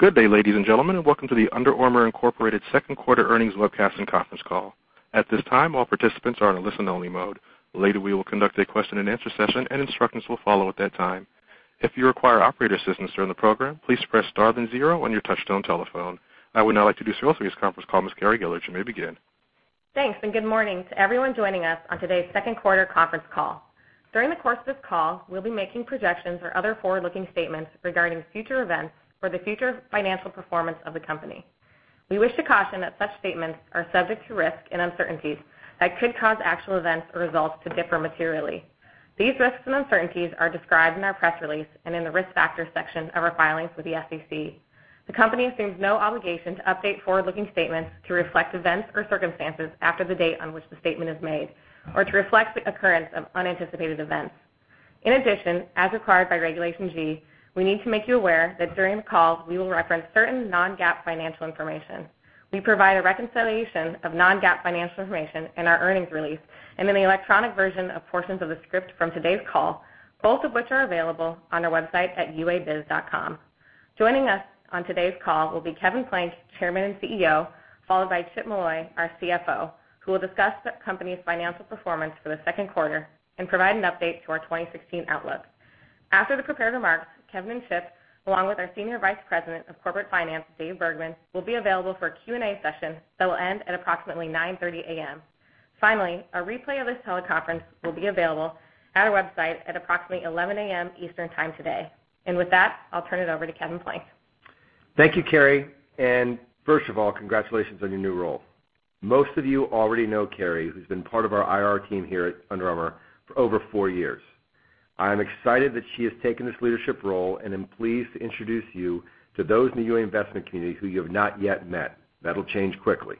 Good day, ladies and gentlemen, welcome to the Under Armour, Inc. second quarter earnings webcast and conference call. At this time, all participants are in listen only mode. Later, we will conduct a question and answer session, instructions will follow at that time. If you require operator assistance during the program, please press star then zero on your touch-tone telephone. I would now like to introduce to this conference call Ms. Carrie Gillard. You may begin. Thanks. Good morning to everyone joining us on today's second quarter conference call. During the course of this call, we'll be making projections or other forward-looking statements regarding future events or the future financial performance of the company. We wish to caution that such statements are subject to risks and uncertainties that could cause actual events or results to differ materially. These risks and uncertainties are described in our press release and in the Risk Factors section of our filings with the SEC. The company assumes no obligation to update forward-looking statements to reflect events or circumstances after the date on which the statement is made or to reflect the occurrence of unanticipated events. In addition, as required by Regulation G, we need to make you aware that during the call we will reference certain non-GAAP financial information. We provide a reconciliation of non-GAAP financial information in our earnings release and in the electronic version of portions of the script from today's call, both of which are available on our website at uabiz.com. Joining us on today's call will be Kevin Plank, Chairman and CEO, followed by Chip Molloy, our CFO, who will discuss the company's financial performance for the second quarter and provide an update to our 2016 outlook. After the prepared remarks, Kevin and Chip, along with our Senior Vice President of Corporate Finance, Dave Bergman, will be available for a Q&A session that will end at approximately 9:30 A.M. Finally, a replay of this teleconference will be available at our website at approximately 11:00 A.M. Eastern Time today. With that, I'll turn it over to Kevin Plank. Thank you, Carrie. First of all, congratulations on your new role. Most of you already know Carrie, who's been part of our IR team here at Under Armour for over four years. I am excited that she has taken this leadership role and am pleased to introduce you to those in the UA investment community who you have not yet met. That'll change quickly.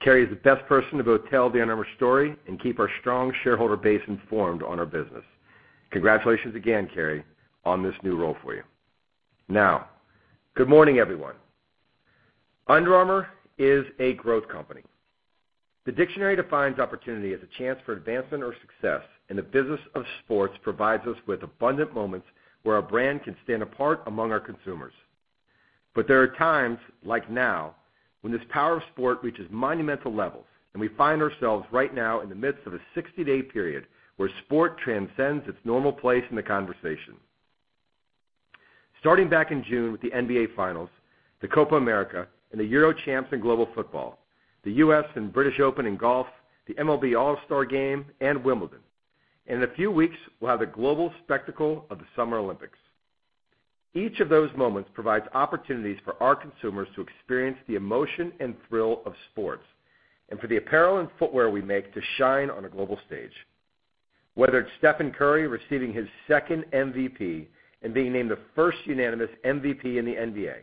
Carrie is the best person to both tell the Under Armour story and keep our strong shareholder base informed on our business. Congratulations again, Carrie, on this new role for you. Good morning, everyone. Under Armour is a growth company. The dictionary defines opportunity as a chance for advancement or success, the business of sports provides us with abundant moments where our brand can stand apart among our consumers. There are times, like now, when this power of sport reaches monumental levels, and we find ourselves right now in the midst of a 60-day period where sport transcends its normal place in the conversation. Starting back in June with the NBA Finals, the Copa América, and the Euro Champs in global football, the U.S. and British Open in golf, the MLB All-Star Game, and Wimbledon. In a few weeks, we'll have the global spectacle of the Summer Olympics. Each of those moments provides opportunities for our consumers to experience the emotion and thrill of sports, and for the apparel and footwear we make to shine on a global stage. Whether it's Stephen Curry receiving his second MVP and being named the first unanimous MVP in the NBA,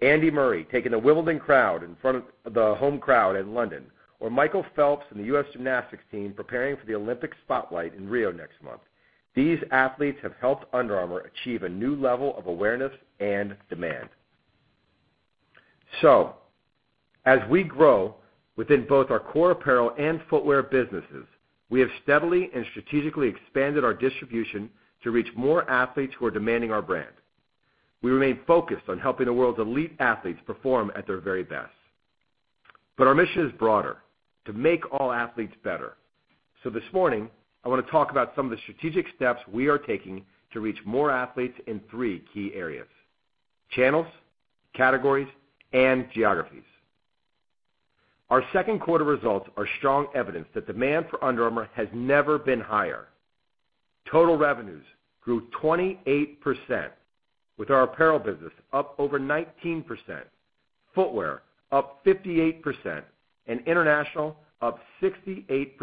Andy Murray taking the Wimbledon crowd in front of the home crowd in London, or Michael Phelps and the U.S. gymnastics team preparing for the Olympic spotlight in Rio next month, these athletes have helped Under Armour achieve a new level of awareness and demand. As we grow within both our core apparel and footwear businesses, we have steadily and strategically expanded our distribution to reach more athletes who are demanding our brand. We remain focused on helping the world's elite athletes perform at their very best. Our mission is broader: to make all athletes better. This morning, I want to talk about some of the strategic steps we are taking to reach more athletes in three key areas, channels, categories, and geographies. Our second quarter results are strong evidence that demand for Under Armour has never been higher. Total revenues grew 28%, with our apparel business up over 19%, footwear up 58%, and international up 68%.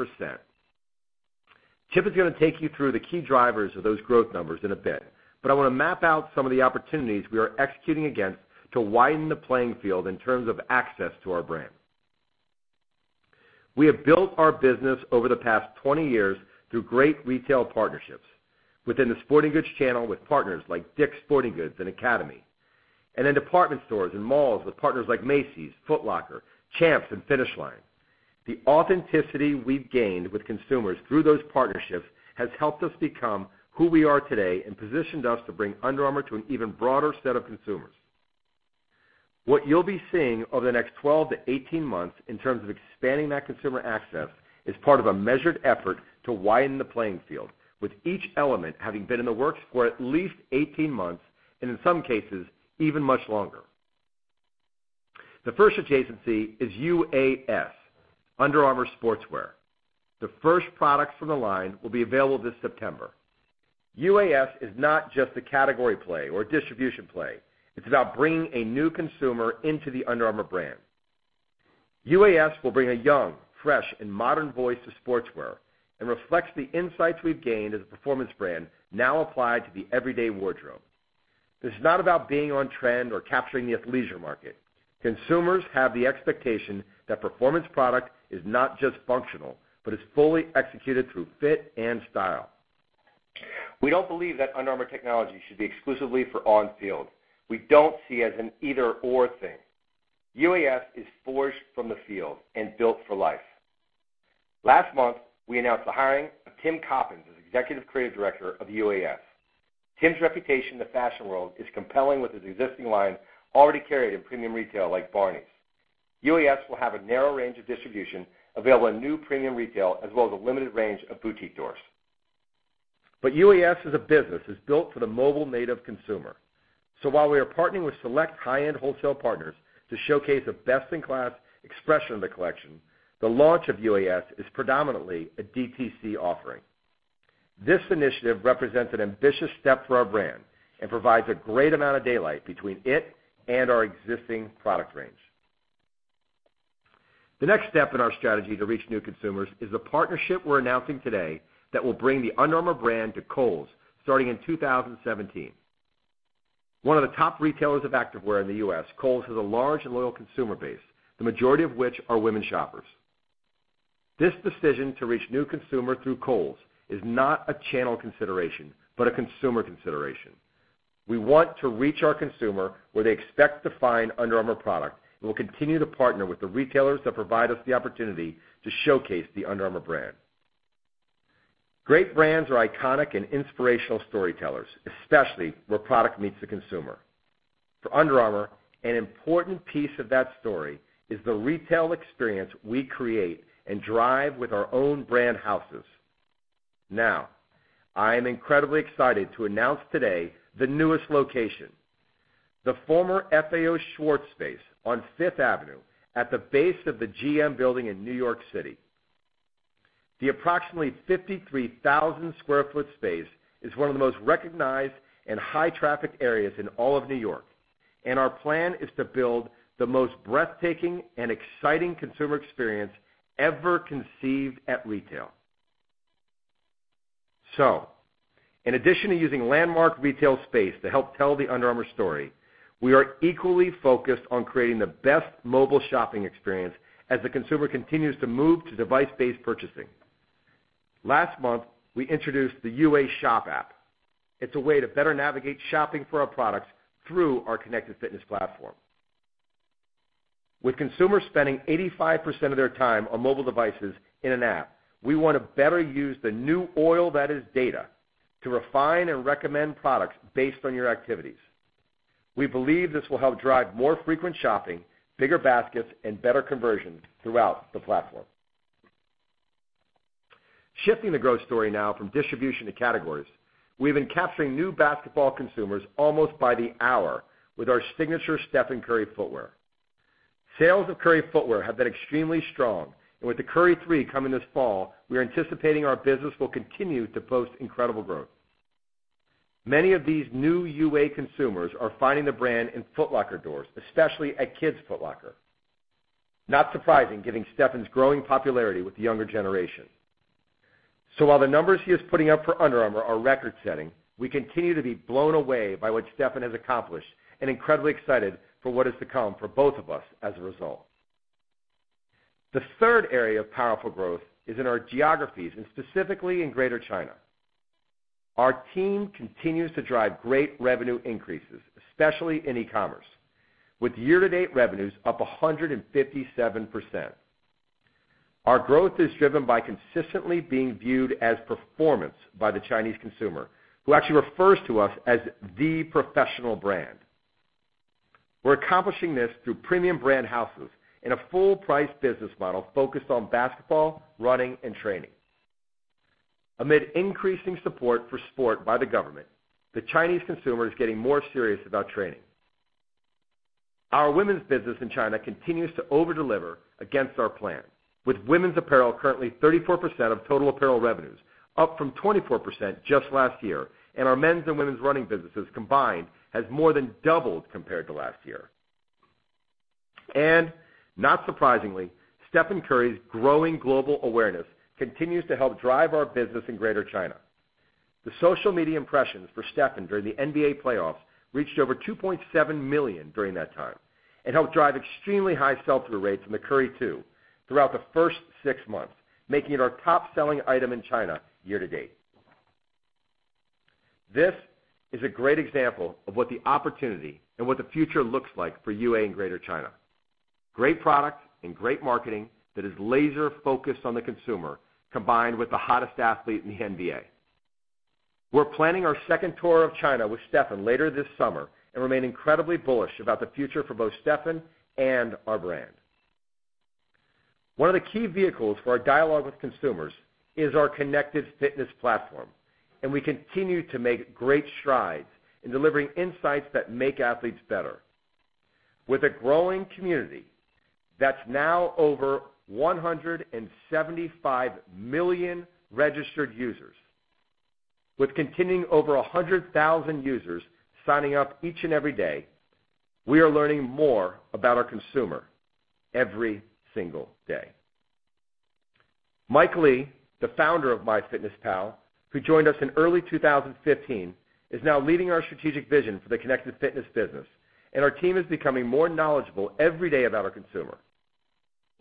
Chip is going to take you through the key drivers of those growth numbers in a bit, but I want to map out some of the opportunities we are executing against to widen the playing field in terms of access to our brand. We have built our business over the past 20 years through great retail partnerships within the sporting goods channel with partners like Dick's Sporting Goods and Academy, and in department stores and malls with partners like Macy's, Foot Locker, Champs, and Finish Line. The authenticity we've gained with consumers through those partnerships has helped us become who we are today and positioned us to bring Under Armour to an even broader set of consumers. What you'll be seeing over the next 12-18 months in terms of expanding that consumer access is part of a measured effort to widen the playing field, with each element having been in the works for at least 18 months, and in some cases, even much longer. The first adjacency is UAS, Under Armour Sportswear. The first products from the line will be available this September. UAS is not just a category play or distribution play. It's about bringing a new consumer into the Under Armour brand. UAS will bring a young, fresh, and modern voice to sportswear and reflects the insights we've gained as a performance brand now applied to the everyday wardrobe. This is not about being on trend or capturing the athleisure market. Consumers have the expectation that performance product is not just functional, but is fully executed through fit and style. We don't believe that Under Armour technology should be exclusively for on-field. We don't see it as an either/or thing. UAS is forged from the field and built for life. Last month, we announced the hiring of Tim Coppens as Executive Creative Director of UAS. Tim's reputation in the fashion world is compelling with his existing line already carried in premium retail like Barneys. UAS will have a narrow range of distribution available in new premium retail, as well as a limited range of boutique doors. UAS as a business is built for the mobile-native consumer. While we are partnering with select high-end wholesale partners to showcase a best-in-class expression of the collection, the launch of UAS is predominantly a DTC offering. This initiative represents an ambitious step for our brand and provides a great amount of daylight between it and our existing product range. The next step in our strategy to reach new consumers is the partnership we're announcing today that will bring the Under Armour brand to Kohl's starting in 2017. One of the top retailers of activewear in the U.S., Kohl's, has a large and loyal consumer base, the majority of which are women shoppers. This decision to reach new consumers through Kohl's is not a channel consideration, but a consumer consideration. We want to reach our consumer where they expect to find Under Armour product. We'll continue to partner with the retailers that provide us the opportunity to showcase the Under Armour brand. Great brands are iconic and inspirational storytellers, especially where product meets the consumer. For Under Armour, an important piece of that story is the retail experience we create and drive with our own Brand Houses. I am incredibly excited to announce today the newest location, the former FAO Schwarz space on Fifth Avenue at the base of the GM building in New York City. The approximately 53,000 sq ft space is one of the most recognized and high traffic areas in all of New York. Our plan is to build the most breathtaking and exciting consumer experience ever conceived at retail. In addition to using landmark retail space to help tell the Under Armour story, we are equally focused on creating the best mobile shopping experience as the consumer continues to move to device-based purchasing. Last month, we introduced the UA Shop app. It's a way to better navigate shopping for our products through our Connected Fitness platform. With consumers spending 85% of their time on mobile devices in an app, we want to better use the new oil that is data to refine and recommend products based on your activities. We believe this will help drive more frequent shopping, bigger baskets, and better conversion throughout the platform. Shifting the growth story now from distribution to categories. We've been capturing new basketball consumers almost by the hour with our signature Stephen Curry footwear. Sales of Curry footwear have been extremely strong. With the Curry 3 coming this fall, we are anticipating our business will continue to post incredible growth. Many of these new UA consumers are finding the brand in Foot Locker doors, especially at Kids Foot Locker. Not surprising, given Stephen's growing popularity with the younger generation. While the numbers he is putting up for Under Armour are record-setting, we continue to be blown away by what Stephen has accomplished and incredibly excited for what is to come for both of us as a result. The third area of powerful growth is in our geographies, and specifically in Greater China. Our team continues to drive great revenue increases, especially in e-commerce, with year-to-date revenues up 157%. Our growth is driven by consistently being viewed as performance by the Chinese consumer, who actually refers to us as the professional brand. We're accomplishing this through premium Brand Houses in a full-price business model focused on basketball, running, and training. Amid increasing support for sport by the government, the Chinese consumer is getting more serious about training. Our women's business in China continues to over-deliver against our plan, with women's apparel currently 34% of total apparel revenues, up from 24% just last year. Our men's and women's running businesses combined has more than doubled compared to last year. Not surprisingly, Stephen Curry's growing global awareness continues to help drive our business in Greater China. The social media impressions for Stephen during the NBA playoffs reached over 2.7 million during that time and helped drive extremely high sell-through rates in the Curry Two throughout the first six months, making it our top-selling item in China year-to-date. This is a great example of what the opportunity and what the future looks like for UA in Greater China. Great product and great marketing that is laser-focused on the consumer, combined with the hottest athlete in the NBA. We're planning our second tour of China with Stephen later this summer and remain incredibly bullish about the future for both Stephen and our brand. One of the key vehicles for our dialogue with consumers is our Connected Fitness platform, and we continue to make great strides in delivering insights that make athletes better. With a growing community that's now over 175 million registered users, with continuing over 100,000 users signing up each and every day, we are learning more about our consumer every single day. Mike Lee, the founder of MyFitnessPal, who joined us in early 2015, is now leading our strategic vision for the Connected Fitness business. Our team is becoming more knowledgeable every day about our consumer.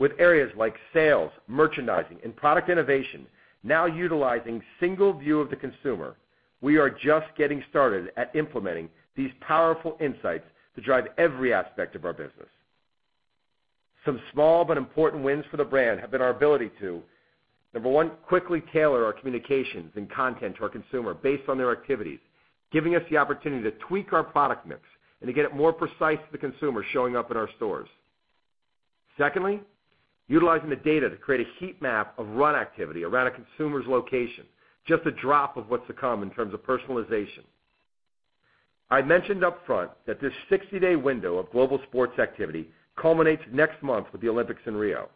With areas like sales, merchandising, and product innovation now utilizing single view of the consumer, we are just getting started at implementing these powerful insights to drive every aspect of our business. Some small but important wins for the brand have been our ability to, number 1, quickly tailor our communications and content to our consumer based on their activities, giving us the opportunity to tweak our product mix and to get it more precise to the consumer showing up in our stores. Secondly, utilizing the data to create a heat map of run activity around a consumer's location, just a drop of what's to come in terms of personalization. I mentioned upfront that this 60-day window of global sports activity culminates next month with the Olympics in Rio.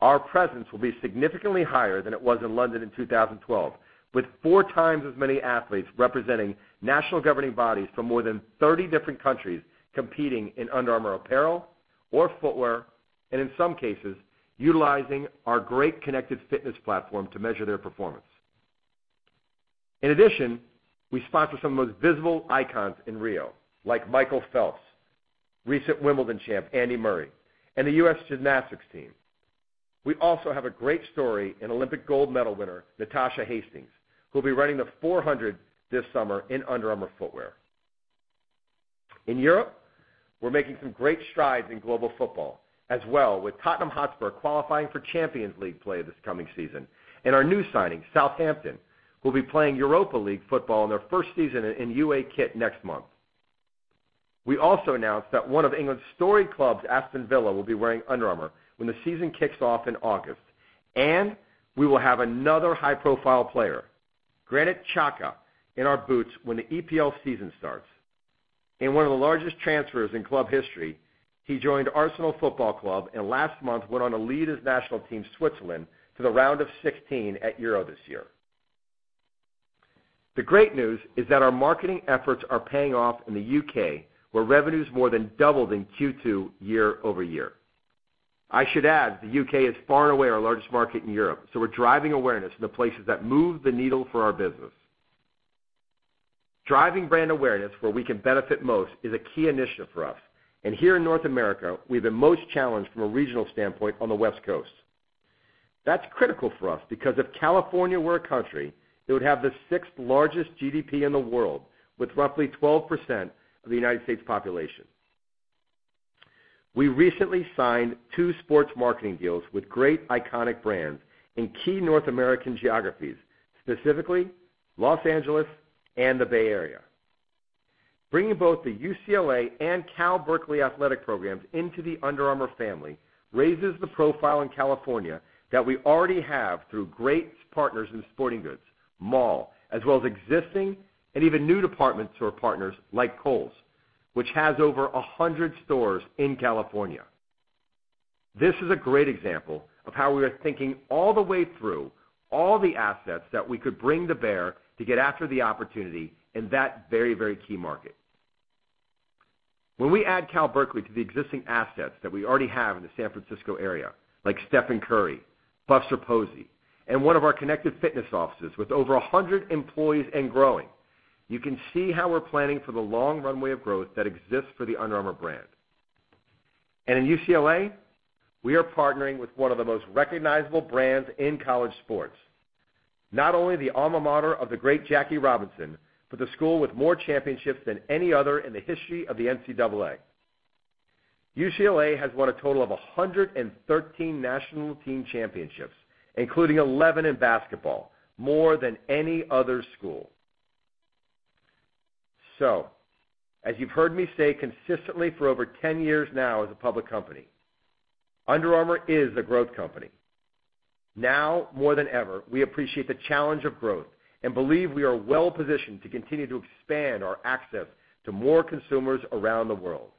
Our presence will be significantly higher than it was in London in 2012, with four times as many athletes representing national governing bodies from more than 30 different countries competing in Under Armour apparel or footwear, and in some cases, utilizing our great Connected Fitness platform to measure their performance. In addition, we sponsor some of the most visible icons in Rio, like Michael Phelps, recent Wimbledon champ Andy Murray, and the U.S. gymnastics team. We also have a great story in Olympic gold medal winner Natasha Hastings, who'll be running the 400 this summer in Under Armour footwear. In Europe, we're making some great strides in global football as well, with Tottenham Hotspur qualifying for Champions League play this coming season, and our new signing, Southampton, who will be playing Europa League football in their first season in UA Kit next month. We also announced that one of England's storied clubs, Aston Villa, will be wearing Under Armour when the season kicks off in August. We will have another high-profile player, Granit Xhaka, in our boots when the EPL season starts. In one of the largest transfers in club history, he joined Arsenal Football Club, and last month went on to lead his national team, Switzerland, to the round of 16 at Euro this year. The great news is that our marketing efforts are paying off in the U.K., where revenue's more than doubled in Q2 year-over-year. I should add, the U.K. is far and away our largest market in Europe. We're driving awareness in the places that move the needle for our business. Driving brand awareness where we can benefit most is a key initiative for us. Here in North America, we're the most challenged from a regional standpoint on the West Coast. That's critical for us because if California were a country, it would have the sixth largest GDP in the world, with roughly 12% of the U.S. population. We recently signed two sports marketing deals with great iconic brands in key North American geographies, specifically Los Angeles and the Bay Area. Bringing both the UCLA and Cal Berkeley athletic programs into the Under Armour family raises the profile in California that we already have through great partners in sporting goods, Mall, as well as existing and even new department store partners like Kohl's, which has over 100 stores in California. This is a great example of how we are thinking all the way through all the assets that we could bring to bear to get after the opportunity in that very, very key market. When we add Cal Berkeley to the existing assets that we already have in the San Francisco area, like Stephen Curry, Buster Posey, and one of our Connected Fitness offices with over 100 employees and growing, you can see how we're planning for the long runway of growth that exists for the Under Armour brand. In UCLA, we are partnering with one of the most recognizable brands in college sports. Not only the alma mater of the great Jackie Robinson, but the school with more championships than any other in the history of the NCAA. UCLA has won a total of 113 national team championships, including 11 in basketball, more than any other school. As you've heard me say consistently for over 10 years now as a public company, Under Armour is a growth company. Now more than ever, we appreciate the challenge of growth and believe we are well-positioned to continue to expand our access to more consumers around the world.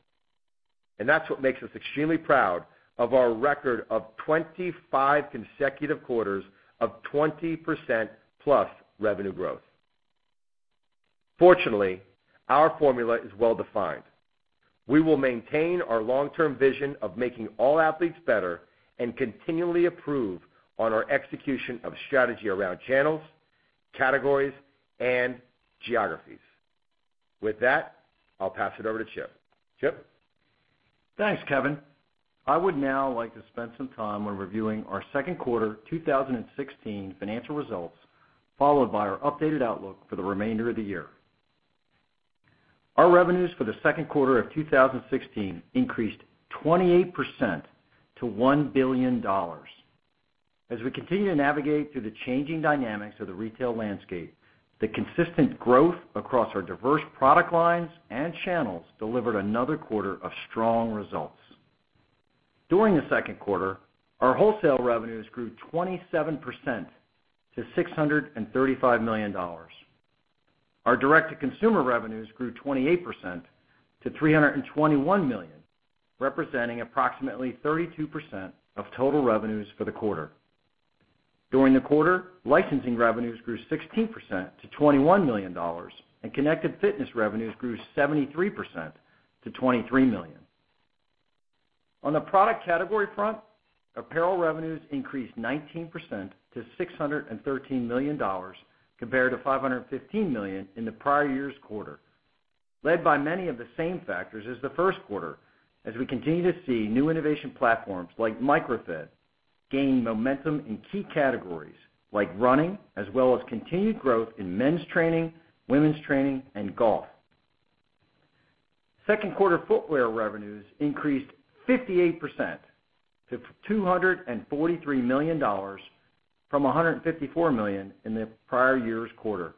That's what makes us extremely proud of our record of 25 consecutive quarters of 20% plus revenue growth. Fortunately, our formula is well-defined. We will maintain our long-term vision of making all athletes better and continually improve on our execution of strategy around channels, categories, and geographies. With that, I'll pass it over to Chip. Chip? Thanks, Kevin. I would now like to spend some time on reviewing our second quarter 2016 financial results, followed by our updated outlook for the remainder of the year. Our revenues for the second quarter of 2016 increased 28% to $1 billion. As we continue to navigate through the changing dynamics of the retail landscape, the consistent growth across our diverse product lines and channels delivered another quarter of strong results. During the second quarter, our wholesale revenues grew 27% to $635 million. Our direct-to-consumer revenues grew 28% to $321 million, representing approximately 32% of total revenues for the quarter. During the quarter, licensing revenues grew 16% to $21 million, and Connected Fitness revenues grew 73% to $23 million. On the product category front, apparel revenues increased 19% to $613 million, compared to $515 million in the prior year's quarter. Led by many of the same factors as the first quarter, as we continue to see new innovation platforms like Micro G gain momentum in key categories like running, as well as continued growth in men's training, women's training, and golf. Second quarter footwear revenues increased 58% to $243 million from $154 million in the prior year's quarter.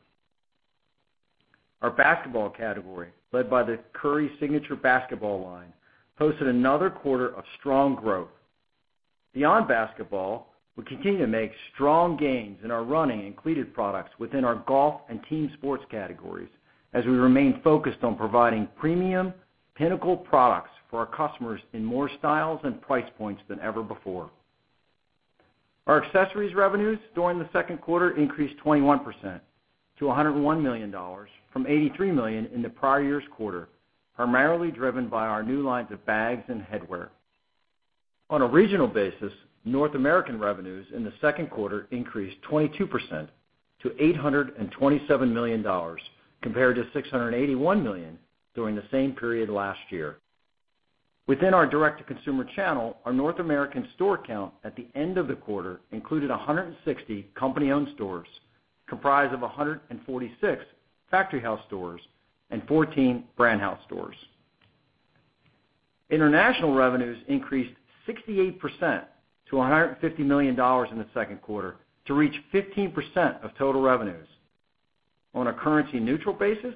Our basketball category, led by the Curry signature basketball line, posted another quarter of strong growth. Beyond basketball, we continue to make strong gains in our running and cleated products within our golf and team sports categories as we remain focused on providing premium, pinnacle products for our customers in more styles and price points than ever before. Our accessories revenues during the second quarter increased 21% to $101 million from $83 million in the prior year's quarter, primarily driven by our new lines of bags and headwear. On a regional basis, North American revenues in the second quarter increased 22% to $827 million, compared to $681 million during the same period last year. Within our direct-to-consumer channel, our North American store count at the end of the quarter included 160 company-owned stores, comprised of 146 Factory House stores and 14 Brand House stores. International revenues increased 68% to $150 million in the second quarter to reach 15% of total revenues. On a currency-neutral basis,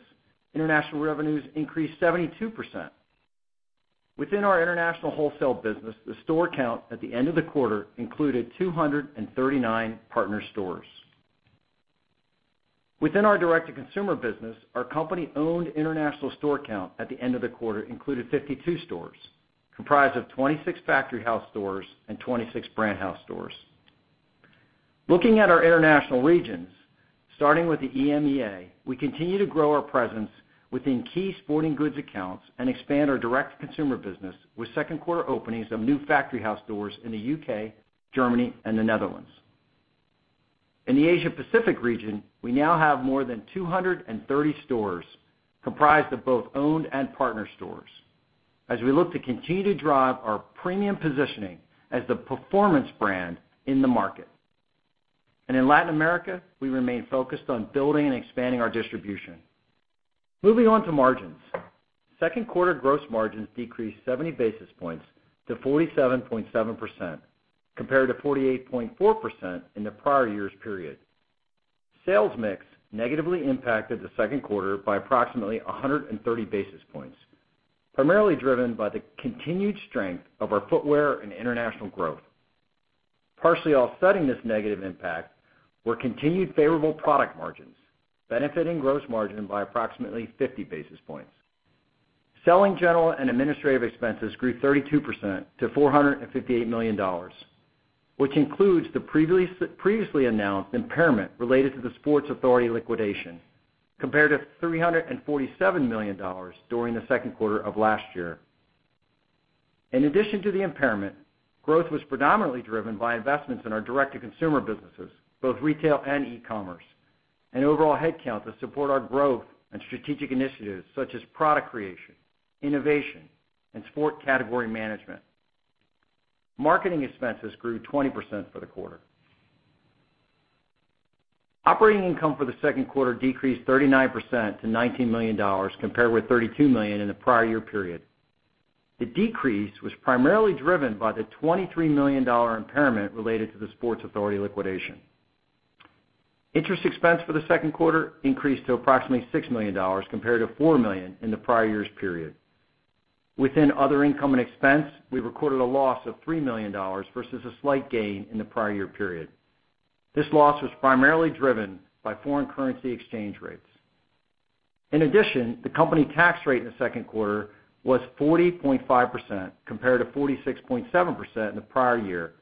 international revenues increased 72%. Within our international wholesale business, the store count at the end of the quarter included 239 partner stores. Within our direct-to-consumer business, our company-owned international store count at the end of the quarter included 52 stores, comprised of 26 Factory House stores and 26 Brand House stores. Looking at our international regions, starting with the EMEA, we continue to grow our presence within key sporting goods accounts and expand our direct-to-consumer business with second quarter openings of new Factory House stores in the U.K., Germany, and the Netherlands. In the Asia Pacific region, we now have more than 230 stores, comprised of both owned and partner stores. As we look to continue to drive our premium positioning as the performance brand in the market. In Latin America, we remain focused on building and expanding our distribution. Moving on to margins. Second quarter gross margins decreased 70 basis points to 47.7%, compared to 48.4% in the prior year's period. Sales mix negatively impacted the second quarter by approximately 130 basis points, primarily driven by the continued strength of our footwear and international growth. Partially offsetting this negative impact were continued favorable product margins, benefiting gross margin by approximately 50 basis points. Selling, General, and Administrative expenses grew 32% to $458 million, which includes the previously announced impairment related to the Sports Authority liquidation, compared to $347 million during the second quarter of last year. In addition to the impairment, growth was predominantly driven by investments in our direct-to-consumer businesses, both retail and e-commerce, and overall headcounts that support our growth and strategic initiatives, such as product creation, innovation, and sport category management. Marketing expenses grew 20% for the quarter. Operating income for the second quarter decreased 39% to $19 million, compared with $32 million in the prior year period. The decrease was primarily driven by the $23 million impairment related to the Sports Authority liquidation. Interest expense for the second quarter increased to approximately $6 million, compared to $4 million in the prior year's period. Within other income and expense, we recorded a loss of $3 million versus a slight gain in the prior year period. This loss was primarily driven by foreign currency exchange rates. In addition, the company tax rate in the second quarter was 40.5%, compared to 46.7% in the prior year,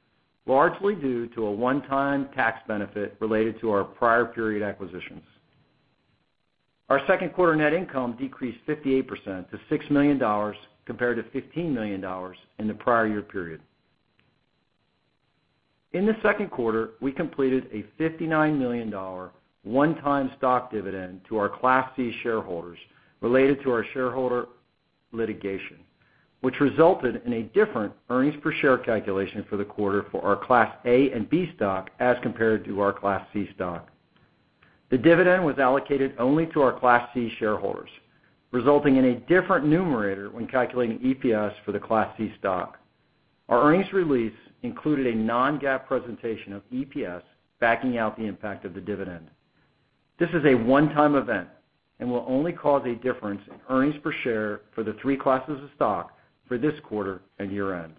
largely due to a one-time tax benefit related to our prior period acquisitions. Our second quarter net income decreased 58% to $6 million, compared to $15 million in the prior year period. In the second quarter, we completed a $59 million one-time stock dividend to our Class C shareholders related to our shareholder litigation, which resulted in a different earnings per share calculation for the quarter for our Class A and B stock as compared to our Class C stock. The dividend was allocated only to our Class C shareholders, resulting in a different numerator when calculating EPS for the Class C stock. Our earnings release included a non-GAAP presentation of EPS backing out the impact of the dividend. This is a one-time event and will only cause a difference in earnings per share for the three classes of stock for this quarter and year-end.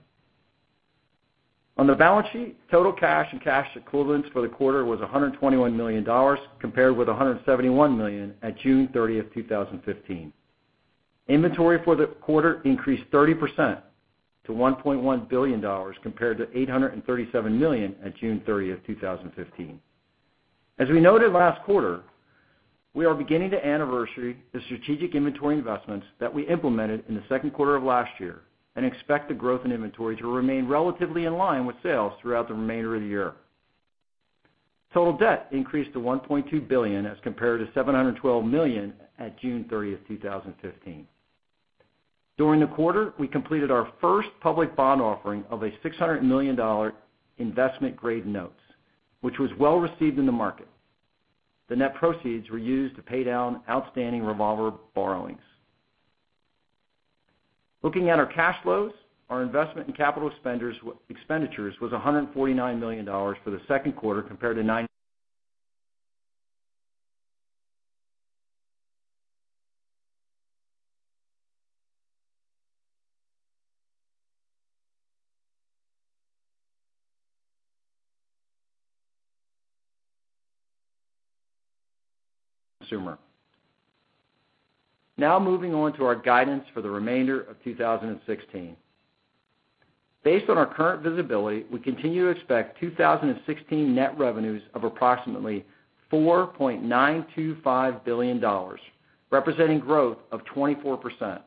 On the balance sheet, total cash and cash equivalents for the quarter was $121 million, compared with $171 million at June 30th, 2015. Inventory for the quarter increased 30% to $1.1 billion, compared to $837 million at June 30th, 2015. As we noted last quarter, we are beginning to anniversary the strategic inventory investments that we implemented in the second quarter of last year and expect the growth in inventory to remain relatively in line with sales throughout the remainder of the year. Total debt increased to $1.2 billion as compared to $712 million at June 30th, 2015. During the quarter, we completed our first public bond offering of a $600 million investment grade notes, which was well-received in the market. The net proceeds were used to pay down outstanding revolver borrowings. Looking at our cash flows, our investment in capital expenditures was $149 million for the second quarter compared to. Now moving on to our guidance for the remainder of 2016. Based on our current visibility, we continue to expect 2016 net revenues of approximately $4.925 billion, representing growth of 24%,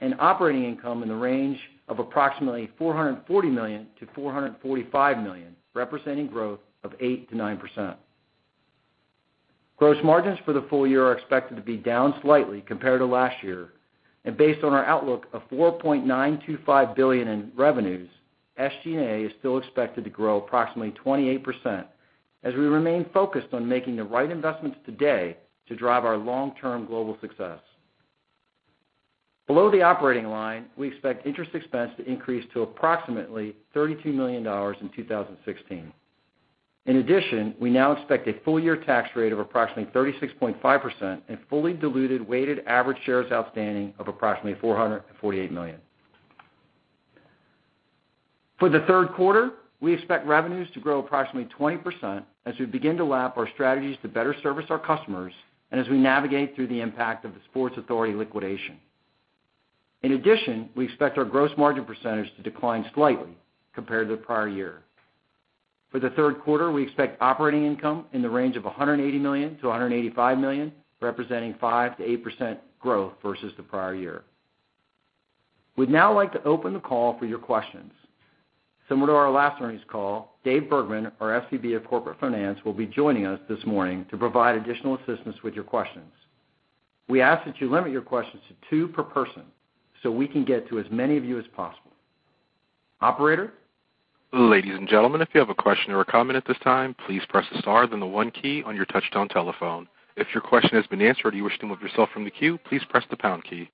and operating income in the range of approximately $440 million-$445 million, representing growth of 8%-9%. Gross margins for the full year are expected to be down slightly compared to last year. Based on our outlook of $4.925 billion in revenues, SG&A is still expected to grow approximately 28%, as we remain focused on making the right investments today to drive our long-term global success. Below the operating line, we expect interest expense to increase to approximately $32 million in 2016. In addition, we now expect a full-year tax rate of approximately 36.5% and fully diluted weighted average shares outstanding of approximately 448 million. For the third quarter, we expect revenues to grow approximately 20% as we begin to lap our strategies to better service our customers and as we navigate through the impact of the Sports Authority liquidation. In addition, we expect our gross margin percentage to decline slightly compared to the prior year. For the third quarter, we expect operating income in the range of $180 million-$185 million, representing 5%-8% growth versus the prior year. We'd now like to open the call for your questions. Similar to our last earnings call, Dave Bergman, our SVP of Corporate Finance, will be joining us this morning to provide additional assistance with your questions. We ask that you limit your questions to two per person so we can get to as many of you as possible. Operator? Ladies and gentlemen, if you have a question or a comment at this time, please press the star then the one key on your touch-tone telephone. If your question has been answered or you wish to remove yourself from the queue, please press the pound key.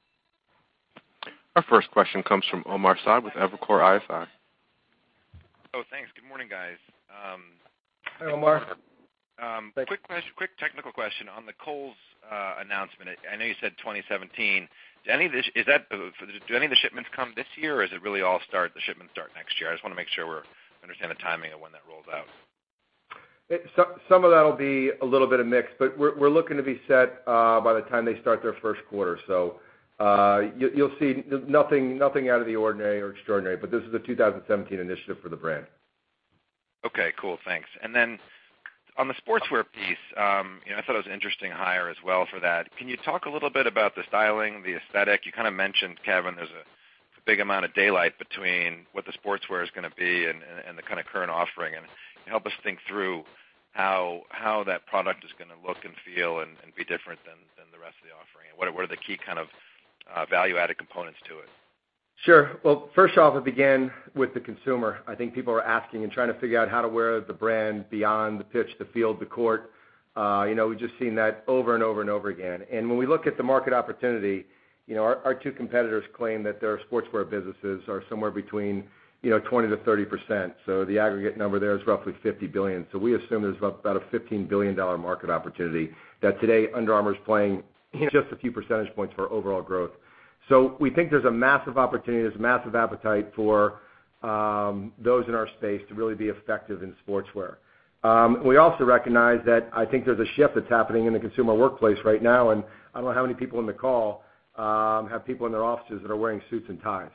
Our first question comes from Omar Saad with Evercore ISI. Oh, thanks. Good morning, guys. Hey, Omar. Quick technical question. On the Kohl's announcement, I know you said 2017. Do any of the shipments come this year, or does it really all start next year? I just want to make sure we understand the timing of when that rolls out. Some of that'll be a little bit of mix, but we're looking to be set by the time they start their first quarter. You'll see nothing out of the ordinary or extraordinary, but this is a 2017 initiative for the brand. Okay, cool. Thanks. On the sportswear piece, I thought it was an interesting hire as well for that. Can you talk a little bit about the styling, the aesthetic? You kind of mentioned, Kevin, there's a big amount of daylight between what the sportswear is going to be and the kind of current offering. Help us think through how that product is going to look and feel and be different than the rest of the offering. What are the key kind of value-added components to it? Sure. Well, first off, it began with the consumer. I think people are asking and trying to figure out how to wear the brand beyond the pitch, the field, the court. We've just seen that over and over and over again. When we look at the market opportunity, our two competitors claim that their sportswear businesses are somewhere between 20%-30%. The aggregate number there is roughly $50 billion. We assume there's about a $15 billion market opportunity that today Under Armour's playing just a few percentage points for overall growth. We think there's a massive opportunity, there's a massive appetite for those in our space to really be effective in sportswear. We also recognize that I think there's a shift that's happening in the consumer workplace right now, and I don't know how many people on the call have people in their offices that are wearing suits and ties.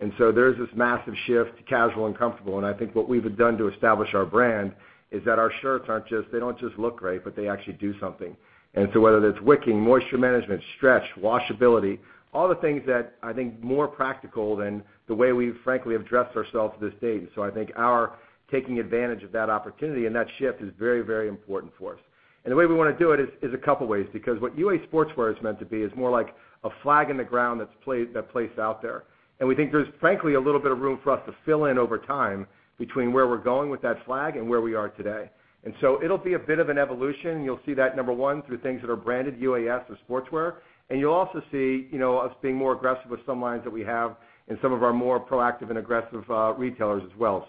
There's this massive shift to casual and comfortable, and I think what we've done to establish our brand is that our shirts, they don't just look great, but they actually do something. Whether that's wicking, moisture management, stretch, washability, all the things that I think more practical than the way we frankly have dressed ourselves to this date. I think our taking advantage of that opportunity and that shift is very important for us. The way we want to do it is a couple ways, because what UA Sportswear is meant to be is more like a flag in the ground that's placed out there. We think there's frankly a little bit of room for us to fill in over time between where we're going with that flag and where we are today. It'll be a bit of an evolution. You'll see that, number one, through things that are branded UAS or sportswear, and you'll also see us being more aggressive with some lines that we have in some of our more proactive and aggressive retailers as well.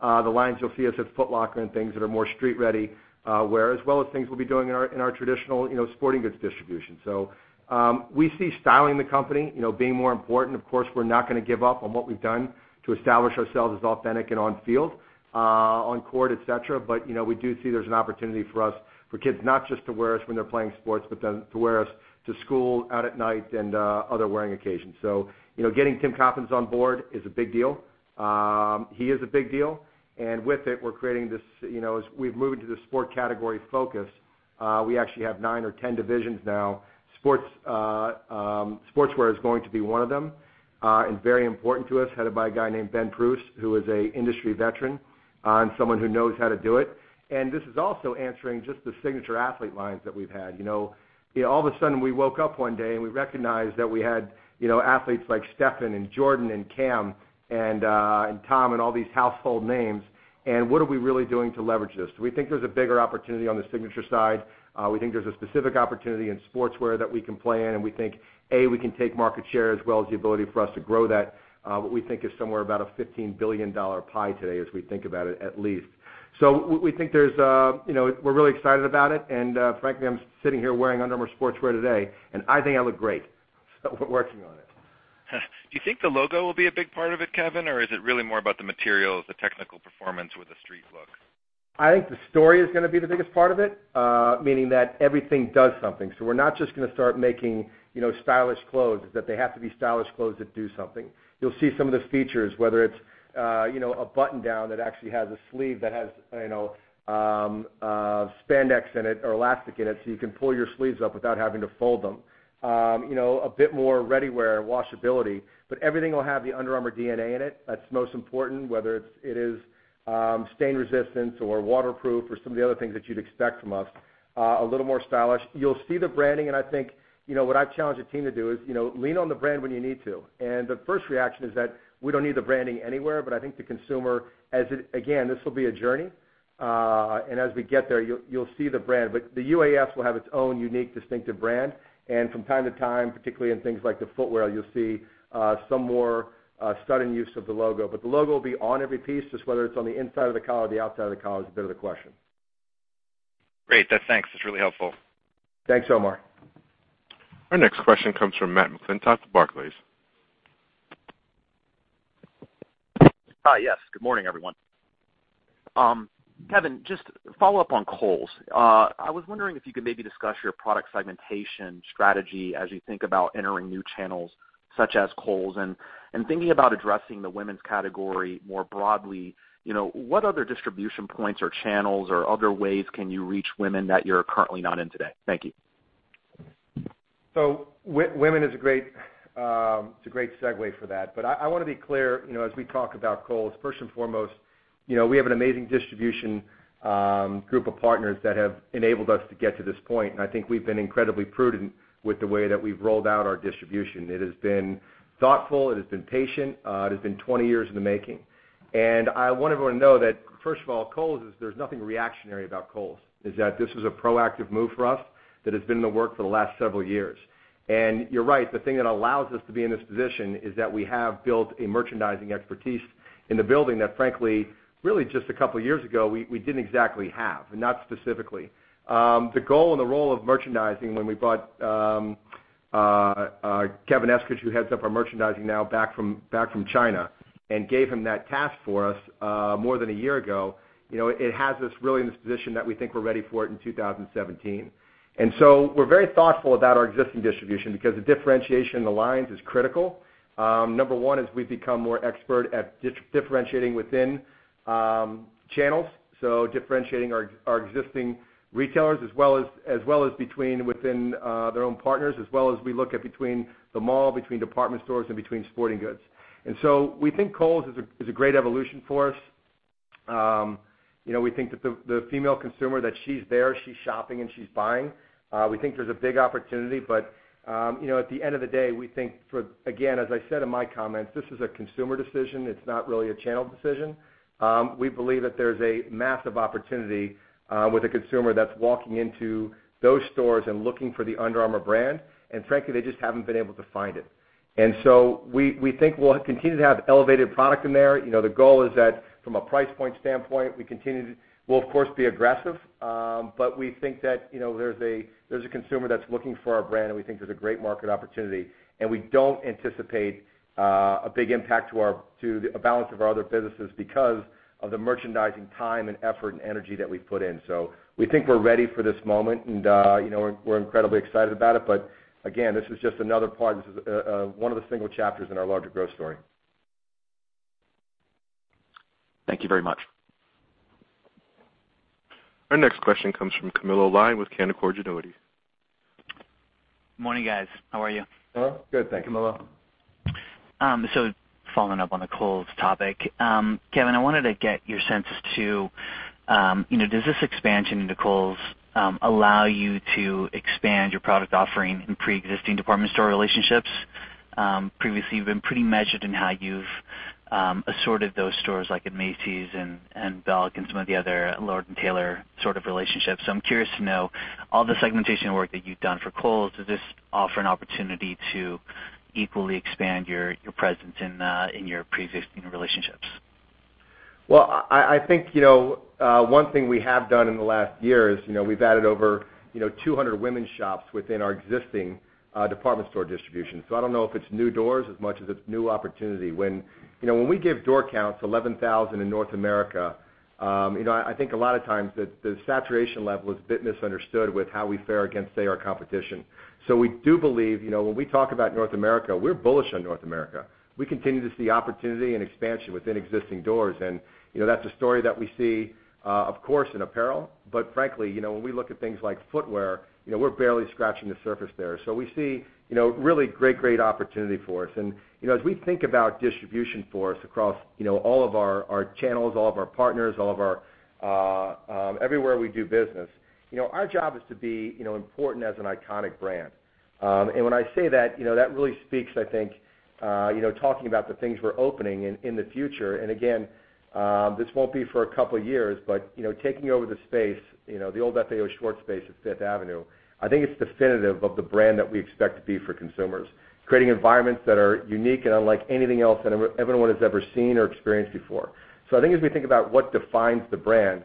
The lines you'll see us at Foot Locker and things that are more street-ready wear, as well as things we'll be doing in our traditional sporting goods distribution. We see styling the company being more important. Of course, we're not going to give up on what we've done to establish ourselves as authentic and on field, on court, et cetera. We do see there's an opportunity for us, for kids not just to wear us when they're playing sports, but then to wear us to school, out at night, and other wearing occasions. Getting Tim Coppens on board is a big deal. He is a big deal. With it, we're creating this, as we've moved into the sport category focus We actually have 9 or 10 divisions now. Sportswear is going to be one of them, and very important to us, headed by a guy named Ben Pruess, who is a industry veteran and someone who knows how to do it. This is also answering just the signature athlete lines that we've had. All of a sudden, we woke up one day, we recognized that we had athletes like Stephen and Jordan and Cam and Tom, and all these household names, what are we really doing to leverage this? Do we think there's a bigger opportunity on the signature side? We think there's a specific opportunity in sportswear that we can play in, we think, A, we can take market share as well as the ability for us to grow that, what we think is somewhere about a $15 billion pie today, as we think about it, at least. We're really excited about it, frankly, I'm sitting here wearing Under Armour Sportswear today, I think I look great. We're working on it. Do you think the logo will be a big part of it, Kevin, or is it really more about the material, the technical performance with a street look? I think the story is going to be the biggest part of it, meaning that everything does something. We're not just going to start making stylish clothes. It's that they have to be stylish clothes that do something. You'll see some of the features, whether it's a button-down that actually has a sleeve that has spandex in it or elastic in it, so you can pull your sleeves up without having to fold them. A bit more ready-wear and washability, everything will have the Under Armour DNA in it. That's most important, whether it is stain resistant or waterproof or some of the other things that you'd expect from us. A little more stylish. You'll see the branding. I think what I've challenged the team to do is lean on the brand when you need to. The first reaction is that we don't need the branding anywhere. I think the consumer, again, this will be a journey. As we get there, you'll see the brand. The UAS will have its own unique, distinctive brand. From time to time, particularly in things like the footwear, you'll see some more stunning use of the logo. The logo will be on every piece, just whether it's on the inside of the collar or the outside of the collar is a bit of the question. Great. Thanks. It's really helpful. Thanks, Omar. Our next question comes from Matt McClintock of Barclays. Hi, yes. Good morning, everyone. Kevin, just follow up on Kohl's. I was wondering if you could maybe discuss your product segmentation strategy as you think about entering new channels such as Kohl's. Thinking about addressing the women's category more broadly, what other distribution points or channels or other ways can you reach women that you're currently not in today? Thank you. Women, it's a great segue for that. I want to be clear, as we talk about Kohl's, first and foremost, we have an amazing distribution group of partners that have enabled us to get to this point, and I think we've been incredibly prudent with the way that we've rolled out our distribution. It has been thoughtful. It has been patient. It has been 20 years in the making. I want everyone to know that, first of all, Kohl's, there's nothing reactionary about Kohl's. Is that this was a proactive move for us that has been in the works for the last several years. You're right, the thing that allows us to be in this position is that we have built a merchandising expertise in the building that frankly, really just a couple of years ago, we didn't exactly have, not specifically. The goal and the role of merchandising when we brought Kevin Eskridge, who heads up our merchandising now, back from China and gave him that task for us more than a year ago, it has us really in this position that we think we're ready for it in 2017. We're very thoughtful about our existing distribution because the differentiation in the lines is critical. Number one is we've become more expert at differentiating within channels, so differentiating our existing retailers as well as between within their own partners, as well as we look at between the mall, between department stores and between sporting goods. We think Kohl's is a great evolution for us. We think that the female consumer, that she's there, she's shopping, and she's buying. We think there's a big opportunity, at the end of the day, we think for, again, as I said in my comments, this is a consumer decision. It's not really a channel decision. We believe that there's a massive opportunity with a consumer that's walking into those stores and looking for the Under Armour brand, and frankly, they just haven't been able to find it. We think we'll continue to have elevated product in there. The goal is that from a price point standpoint, we'll, of course, be aggressive. We think that there's a consumer that's looking for our brand, and we think there's a great market opportunity, and we don't anticipate a big impact to a balance of our other businesses because of the merchandising time and effort and energy that we put in. We think we're ready for this moment, and we're incredibly excited about it. Again, this is just another part. This is one of the single chapters in our larger growth story. Thank you very much. Our next question comes from Camilo Lyon with Canaccord Genuity. Morning, guys. How are you? Good, thank you, Camilo. Following up on the Kohl’s topic. Kevin, I wanted to get your sense to, does this expansion into Kohl’s allow you to expand your product offering in preexisting department store relationships? Previously, you've been pretty measured in how you've assorted those stores, like at Macy's and Belk and some of the other Lord & Taylor sort of relationships. I'm curious to know all the segmentation work that you've done for Kohl’s, does this offer an opportunity to equally expand your presence in your preexisting relationships? I think one thing we have done in the last year is, we've added over 200 women's shops within our existing department store distribution. I don't know if it's new doors as much as it's new opportunity. When we give door counts, 11,000 in North America, I think a lot of times the saturation level is a bit misunderstood with how we fare against, say, our competition. We do believe, when we talk about North America, we're bullish on North America. We continue to see opportunity and expansion within existing doors, and that's a story that we see, of course, in apparel. Frankly, when we look at things like footwear, we're barely scratching the surface there. We see really great opportunity for us. As we think about distribution for us across all of our channels, all of our partners, everywhere we do business, our job is to be important as an iconic brand. When I say that really speaks, I think, talking about the things we're opening in the future. Again, this won't be for a couple of years, but taking over the space, the old FAO Schwarz space at Fifth Avenue, I think it's definitive of the brand that we expect to be for consumers. Creating environments that are unique and unlike anything else that everyone has ever seen or experienced before. I think as we think about what defines the brand,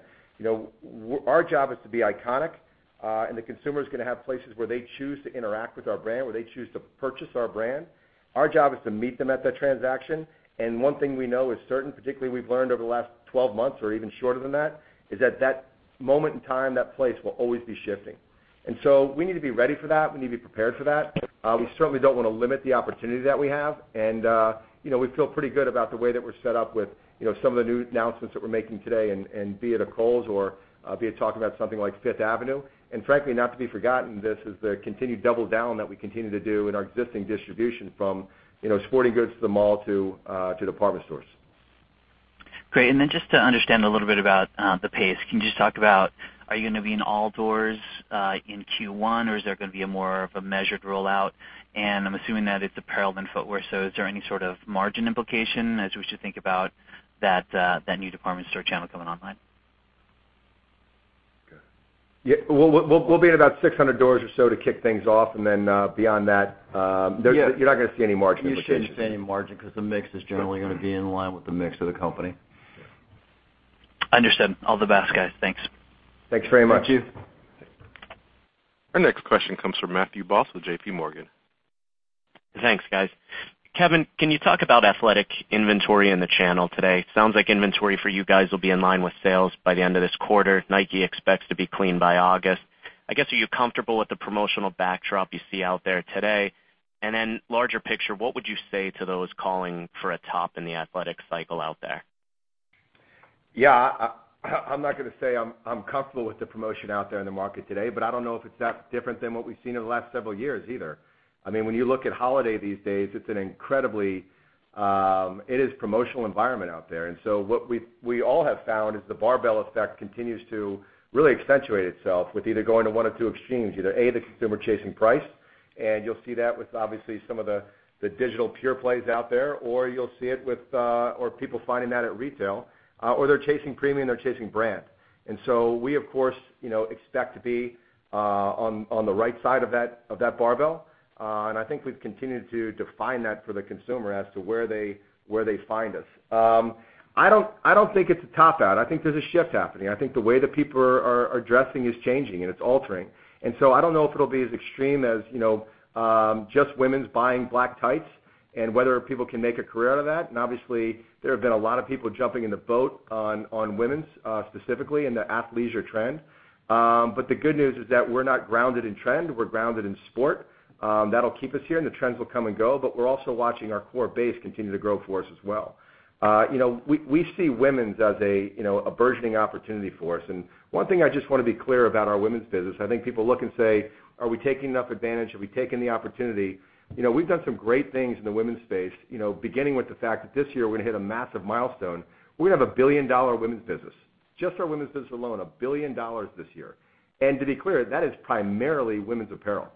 our job is to be iconic, and the consumer's going to have places where they choose to interact with our brand, where they choose to purchase our brand. Our job is to meet them at that transaction. One thing we know is certain, particularly we've learned over the last 12 months or even shorter than that, is that that moment in time, that place, will always be shifting. We need to be ready for that. We need to be prepared for that. We certainly don't want to limit the opportunity that we have, and we feel pretty good about the way that we're set up with some of the new announcements that we're making today, and be it a Kohl's or be it talking about something like Fifth Avenue. Frankly, not to be forgotten, this is the continued double-down that we continue to do in our existing distribution from sporting goods to the mall to department stores. Great. Just to understand a little bit about the pace, can you just talk about, are you going to be in all doors in Q1, or is there going to be a more of a measured rollout? I'm assuming that it's apparel then footwear, is there any sort of margin implication as we should think about that new department store channel coming online? We'll be in about 600 doors or so to kick things off. Beyond that, you're not going to see any margin implications. You shouldn't see any margin because the mix is generally going to be in line with the mix of the company. Understood. All the best, guys. Thanks. Thanks very much. Thank you. Our next question comes from Matthew Boss with J.P. Morgan. Thanks, guys. Kevin, can you talk about athletic inventory in the channel today? Sounds like inventory for you guys will be in line with sales by the end of this quarter. Nike expects to be clean by August. I guess, are you comfortable with the promotional backdrop you see out there today? Larger picture, what would you say to those calling for a top in the athletic cycle out there? Yeah. I'm not going to say I'm comfortable with the promotion out there in the market today, but I don't know if it's that different than what we've seen over the last several years either. When you look at holiday these days, it is promotional environment out there. What we all have found is the barbell effect continues to really accentuate itself with either going to one of two extremes, either, A, the consumer chasing price, and you'll see that with obviously some of the digital pure plays out there, or you'll see it with people finding that at retail. They're chasing premium, they're chasing brand. We, of course, expect to be on the right side of that barbell. I think we've continued to define that for the consumer as to where they find us. I don't think it's a top out. I think there's a shift happening. I think the way that people are dressing is changing, and it's altering. I don't know if it'll be as extreme as just women's buying black tights and whether people can make a career out of that. Obviously, there have been a lot of people jumping in the boat on women's, specifically in the athleisure trend. The good news is that we're not grounded in trend. We're grounded in sport. That'll keep us here, and the trends will come and go. We're also watching our core base continue to grow for us as well. We see women's as a burgeoning opportunity for us. One thing I just want to be clear about our women's business, I think people look and say, "Are we taking enough advantage? Are we taking the opportunity?" We've done some great things in the women's space, beginning with the fact that this year we're going to hit a massive milestone. We're going to have a $1 billion women's business. Just our women's business alone, $1 billion this year. To be clear, that is primarily women's apparel.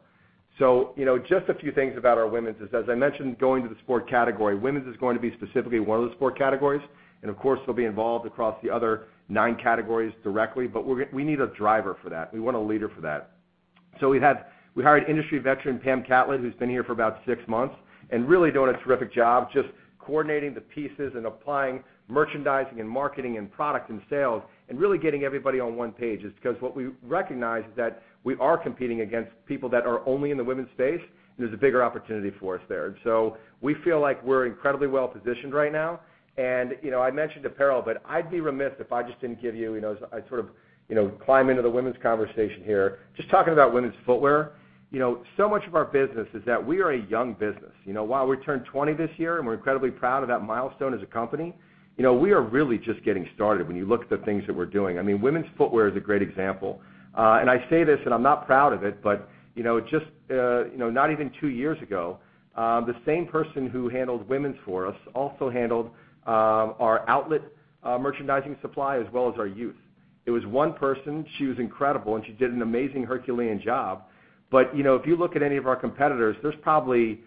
Just a few things about our women's is, as I mentioned, going to the sport category. Women's is going to be specifically one of the sport categories, and of course, they'll be involved across the other nine categories directly, but we need a driver for that. We want a leader for that. We hired industry veteran Pamela Catlett, who's been here for about six months and really doing a terrific job just coordinating the pieces and applying merchandising and marketing and product and sales and really getting everybody on one page. It's because what we recognize is that we are competing against people that are only in the women's space, and there's a bigger opportunity for us there. We feel like we're incredibly well-positioned right now. I mentioned apparel, but I'd be remiss if I just didn't give you-- as I sort of climb into the women's conversation here, just talking about women's footwear. Much of our business is that we are a young business. While we turned 20 this year, and we're incredibly proud of that milestone as a company, we are really just getting started when you look at the things that we're doing. Women's footwear is a great example. I say this, and I'm not proud of it, just not even two years ago, the same person who handled women's for us also handled our outlet merchandising supply as well as our youth. It was one person. She was incredible, and she did an amazing Herculean job. If you look at any of our competitors, there's probably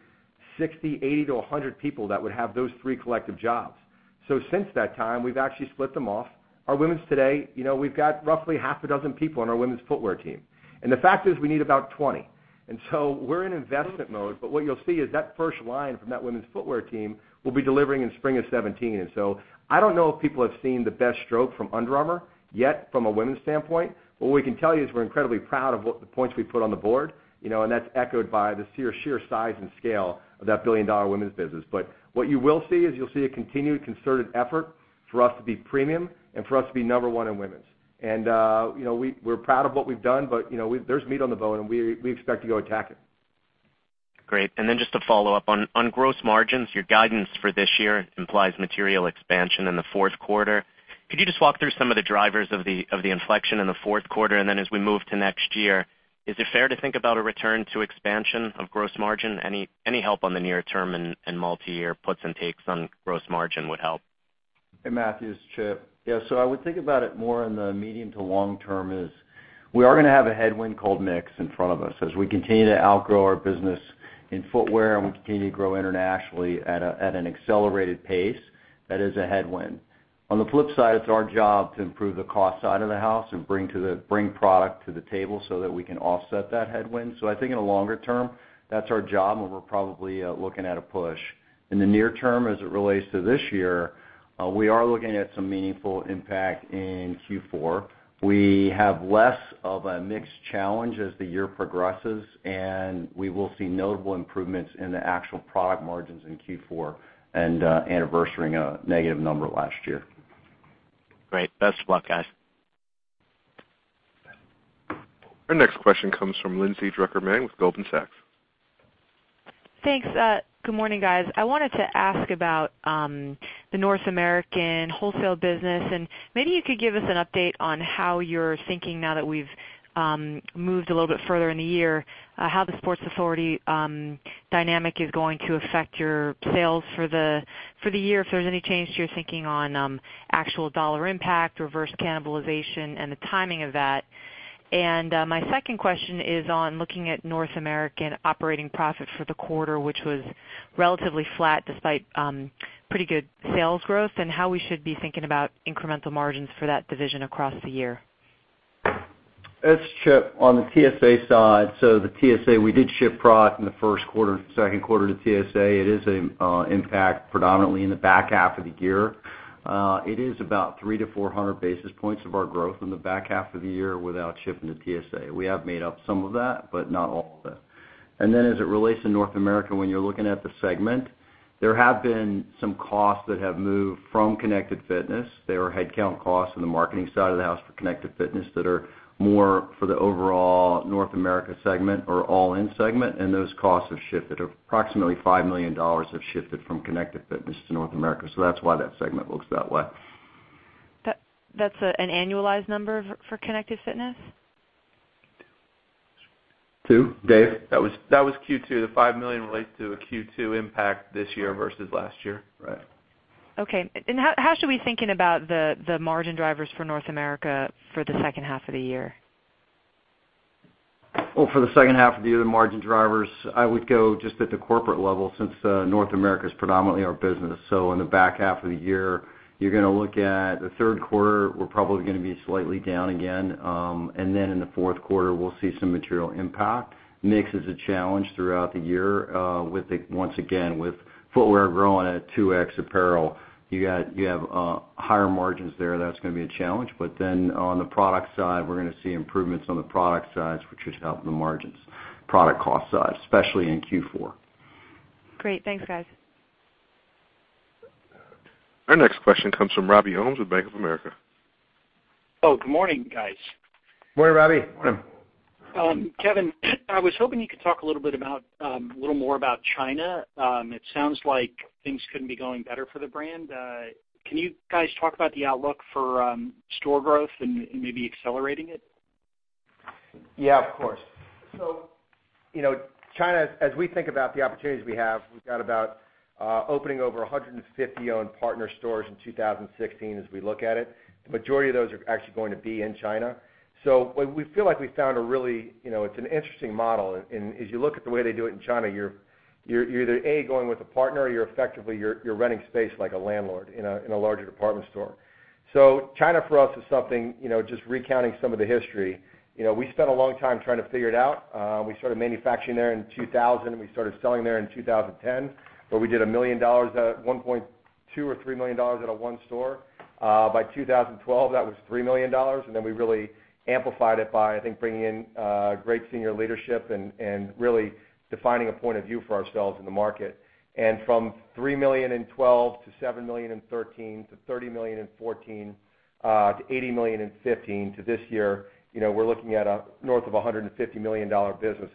60, 80 to 100 people that would have those three collective jobs. Since that time, we've actually split them off. Our women's today, we've got roughly half a dozen people on our women's footwear team. The fact is, we need about 20. We're in investment mode, but what you'll see is that first line from that women's footwear team will be delivering in spring of 2017. I don't know if people have seen the best stroke from Under Armour yet from a women's standpoint, what we can tell you is we're incredibly proud of what the points we put on the board, and that's echoed by the sheer size and scale of that billion-dollar women's business. What you will see is you'll see a continued concerted effort for us to be premium and for us to be number one in women's. We're proud of what we've done, but there's meat on the bone, and we expect to go attack it. Great. Just to follow up, on gross margins, your guidance for this year implies material expansion in the fourth quarter. Could you just walk through some of the drivers of the inflection in the fourth quarter? As we move to next year, is it fair to think about a return to expansion of gross margin? Any help on the near term and multi-year puts and takes on gross margin would help. Hey, Matthew, it's Chip. I would think about it more in the medium to long term is we are going to have a headwind called mix in front of us as we continue to outgrow our business in footwear and we continue to grow internationally at an accelerated pace. That is a headwind. On the flip side, it's our job to improve the cost side of the house and bring product to the table so that we can offset that headwind. I think in the longer term, that's our job, and we're probably looking at a push. In the near term, as it relates to this year, we are looking at some meaningful impact in Q4. We have less of a mix challenge as the year progresses, and we will see notable improvements in the actual product margins in Q4 and anniversarying a negative number last year. Great. Best of luck, guys. Our next question comes from Lindsay Drucker Mann with Goldman Sachs. Thanks. Good morning, guys. I wanted to ask about the North American wholesale business, and maybe you could give us an update on how you're thinking now that we've moved a little bit further in the year, how the Sports Authority dynamic is going to affect your sales for the year, if there's any change to your thinking on actual $ impact, reverse cannibalization, and the timing of that. My second question is on looking at North American operating profits for the quarter, which was relatively flat despite pretty good sales growth, and how we should be thinking about incremental margins for that division across the year. It's Chip. On the TSA side, the TSA, we did ship product in the first quarter and second quarter to TSA. It is an impact predominantly in the back half of the year. It is about 300-400 basis points of our growth in the back half of the year without shipping to TSA. We have made up some of that, but not all of it. As it relates to North America, when you're looking at the segment, there have been some costs that have moved from Connected Fitness. There were headcount costs on the marketing side of the house for Connected Fitness that are more for the overall North America segment or all-in segment. Those costs have shifted. Approximately $5 million have shifted from Connected Fitness to North America. That's why that segment looks that way. That's an annualized number for Connected Fitness? Two. Dave? That was Q2. The $5 million relates to a Q2 impact this year versus last year. Right. Okay. How should we be thinking about the margin drivers for North America for the second half of the year? Well, for the second half of the year, the margin drivers, I would go just at the corporate level since North America is predominantly our business. In the back half of the year, you're going to look at the third quarter, we're probably going to be slightly down again. In the fourth quarter, we'll see some material impact. Mix is a challenge throughout the year, once again, with footwear growing at 2x apparel. You have higher margins there. That's going to be a challenge. On the product side, we're going to see improvements on the product side, which should help the margins, product cost side, especially in Q4. Great. Thanks, guys. Our next question comes from Robby Ohmes with Bank of America. Good morning, guys. Morning, Robby. Morning. Kevin, I was hoping you could talk a little bit about, a little more about China. It sounds like things couldn't be going better for the brand. Can you guys talk about the outlook for store growth and maybe accelerating it? Yeah, of course. China, as we think about the opportunities we have, we've got about opening over 150 owned partner stores in 2016 as we look at it. The majority of those are actually going to be in China. We feel like we found a really interesting model. As you look at the way they do it in China, you're either, A, going with a partner, or you're effectively renting space like a landlord in a larger department store. China for us is something, just recounting some of the history. We spent a long time trying to figure it out. We started manufacturing there in 2000, and we started selling there in 2010, but we did $1 million, $1.2 or $3 million at one store. By 2012, that was $3 million, then we really amplified it by, I think, bringing in great senior leadership and really defining a point of view for ourselves in the market. From $3 million in 2012 to $7 million in 2013, to $30 million in 2014, to $80 million in 2015 to this year, we're looking at north of $150 million business.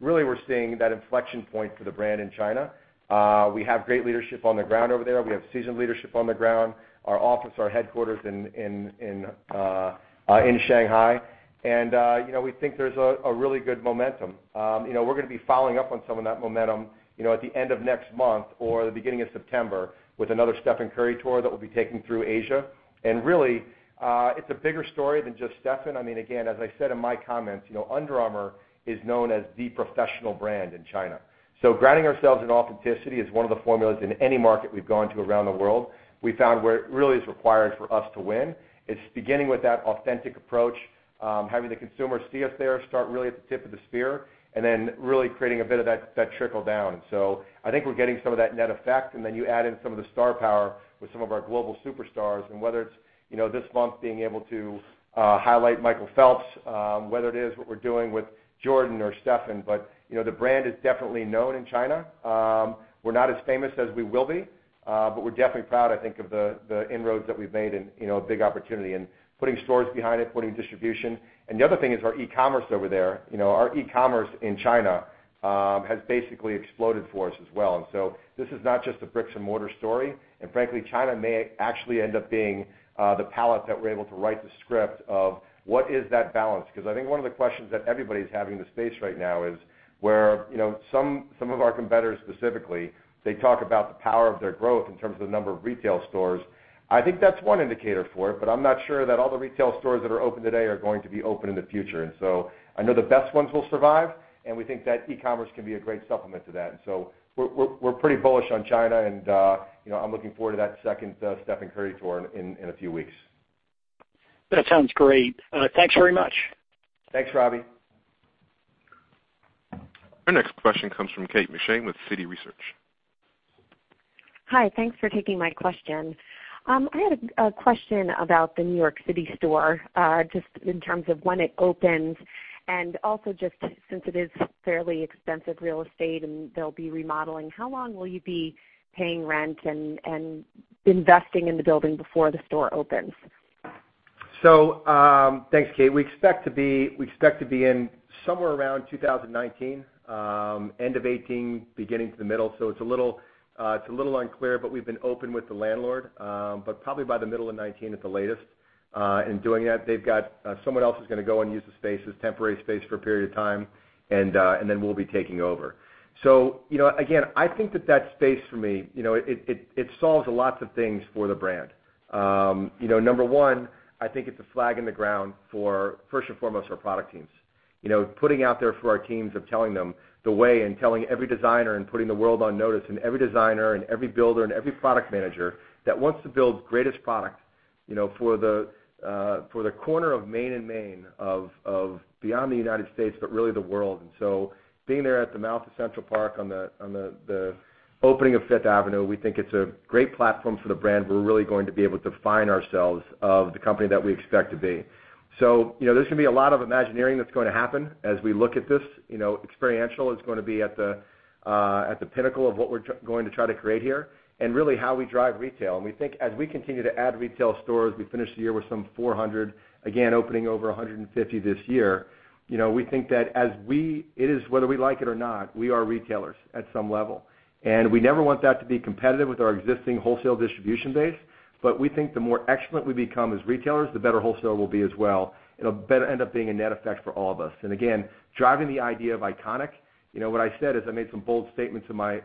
Really we're seeing that inflection point for the brand in China. We have great leadership on the ground over there. We have seasoned leadership on the ground. Our office, our headquarters in Shanghai. We think there's a really good momentum. We're going to be following up on some of that momentum at the end of next month or the beginning of September with another Stephen Curry tour that we'll be taking through Asia. Really, it's a bigger story than just Stephen. I mean, again, as I said in my comments, Under Armour is known as the professional brand in China. Grounding ourselves in authenticity is one of the formulas in any market we've gone to around the world. We found where it really is required for us to win. It's beginning with that authentic approach, having the consumer see us there, start really at the tip of the spear, then really creating a bit of that trickle down. I think we're getting some of that net effect, then you add in some of the star power with some of our global superstars, and whether it's this month being able to highlight Michael Phelps, whether it is what we're doing with Jordan or Stephen, the brand is definitely known in China. We're not as famous as we will be. We're definitely proud, I think, of the inroads that we've made and a big opportunity and putting stores behind it, putting distribution. The other thing is our e-commerce over there. Our e-commerce in China has basically exploded for us as well. This is not just a bricks-and-mortar story. Frankly, China may actually end up being the palette that we're able to write the script of what is that balance. I think one of the questions that everybody's having in the space right now is where some of our competitors specifically, they talk about the power of their growth in terms of the number of retail stores. I think that's one indicator for it, but I'm not sure that all the retail stores that are open today are going to be open in the future. I know the best ones will survive, and we think that e-commerce can be a great supplement to that. We're pretty bullish on China, and I'm looking forward to that second Stephen Curry tour in a few weeks. That sounds great. Thanks very much. Thanks, Robby. Our next question comes from Kate McShane with Citi Research. Hi. Thanks for taking my question. I had a question about the New York City store, just in terms of when it opens, and also just since it is fairly expensive real estate and they'll be remodeling, how long will you be paying rent and investing in the building before the store opens? Thanks, Kate. We expect to be in somewhere around 2019, end of 2018, beginning to the middle. It's a little unclear, but we've been open with the landlord. Probably by the middle of 2019 at the latest. In doing that, someone else is going to go and use the space as temporary space for a period of time, then we'll be taking over. Again, I think that that space for me, it solves lots of things for the brand. Number one, I think it's a flag in the ground for, first and foremost, our product teams. Putting out there for our teams of telling them the way and telling every designer and putting the world on notice and every designer and every builder and every product manager that wants to build the greatest product for the corner of Main and Main of beyond the United States, but really the world. Being there at the mouth of Central Park on the opening of Fifth Avenue, we think it's a great platform for the brand where we're really going to be able to define ourselves of the company that we expect to be. There's going to be a lot of imagineering that's going to happen as we look at this. Experiential is going to be at the pinnacle of what we're going to try to create here and really how we drive retail. We think as we continue to add retail stores, we finish the year with some 400, again, opening over 150 this year. It is whether we like it or not, we are retailers at some level. We never want that to be competitive with our existing wholesale distribution base. We think the more excellent we become as retailers, the better wholesale will be as well. It'll end up being a net effect for all of us. Again, driving the idea of iconic, what I said is I made some bold statements in my